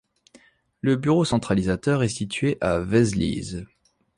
Le bureau centralisateur est situé à Vézelise.